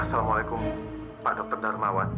assalamualaikum pak dokter darmawan